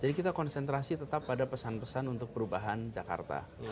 jadi kita konsentrasi tetap pada pesan pesan untuk perubahan jakarta